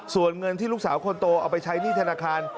ส่วนเงินที่ลูกสาวคนโตเอาไปใช้หนี้ธนาคาร